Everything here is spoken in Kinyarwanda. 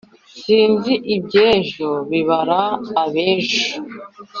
Sinzi iby'ejo bibara ab'ejo.